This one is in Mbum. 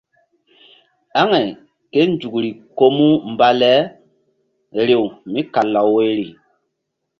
Amay ké nzukri ko mu mba le rew mí kal law woyri.